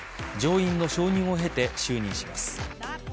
上院の承認を経て就任します。